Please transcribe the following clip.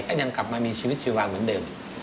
ยังกลับมามีชีวิตชีวาเหมือนเดิม